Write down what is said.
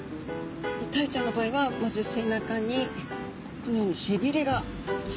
タイちゃんの場合はまず背中にこのように背びれがついてます。